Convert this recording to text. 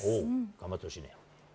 頑張ってほしいね。